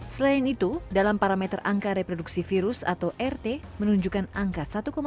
selain itu dalam parameter angka reproduksi virus atau rt menunjukkan angka satu lima